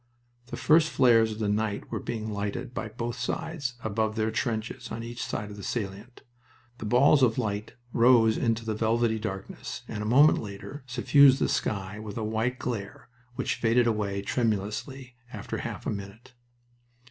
The first flares of the night were being lighted by both sides above their trenches on each side of the salient. The balls of light rose into the velvety darkness and a moment later suffused the sky with a white glare which faded away tremulously after half a minute.